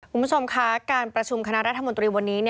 คุณผู้ชมคะการประชุมคณะรัฐมนตรีวันนี้